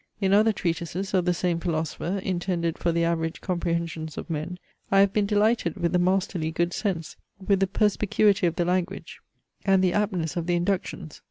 In other treatises of the same philosopher, intended for the average comprehensions of men, I have been delighted with the masterly good sense, with the perspicuity of the language, and the aptness of the inductions.